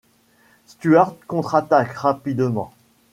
Stuart contre-attaque rapidement.